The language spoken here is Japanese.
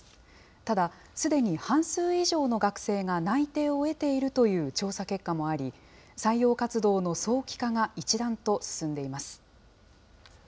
ただ、すでに半数以上の学生が内定を得ているという調査結果もあり、採用活動の早期化が一段と進んでいます。